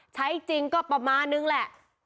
ใช้จริงก็ประมาณนึงแหละ